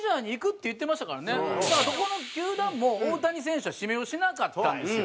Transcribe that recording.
だからどこの球団も大谷選手は指名をしなかったんですよ。